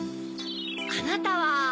あなたは？